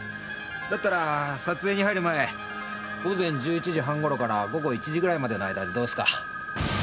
だったら撮影に入る前午前１１時半頃から午後１時ぐらいまでの間でどうっすか？